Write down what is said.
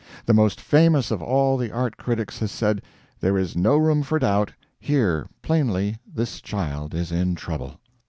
The most famous of all the art critics has said, "There is no room for doubt, here plainly this child is in trouble."